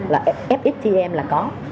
là fxtm là có